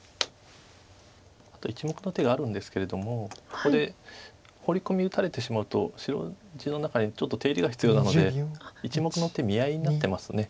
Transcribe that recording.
１目の手があるんですけれどもここでホウリ込み打たれてしまうと白地の中にちょっと手入れが必要なので１目の手見合いになってます。